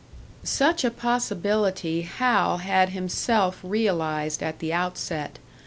Such a possibility Hal had himself realised at the outset.